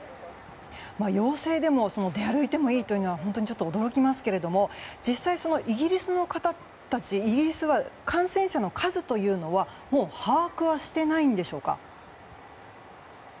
陽性でも出歩いてもいいというのは本当にちょっと驚きますけれども実際、イギリスでは感染者の数というのは把握はしていないんでしょうか。